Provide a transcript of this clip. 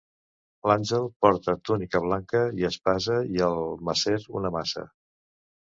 L'àngel porta túnica blanca i espasa, i el macer una maça.